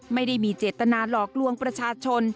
ไม่ได้มีเจตนาหลอกลวงประชาชน